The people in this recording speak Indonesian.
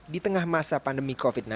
di tengah masa pandemi covid sembilan belas